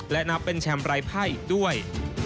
และนับเป็นแชมป์รายไพ่อีกด้วย